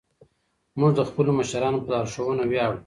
موږ د خپلو مشرانو په لارښوونه ویاړو.